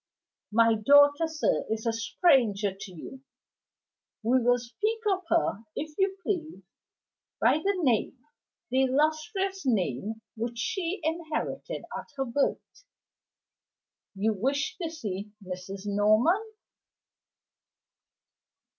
"My daughter, sir, is a stranger to you. We will speak of her, if you please, by the name the illustrious name which she inherited at her birth. You wish to see Mrs. Norman?"